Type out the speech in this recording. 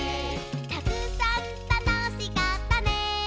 「たくさんたのしかったね」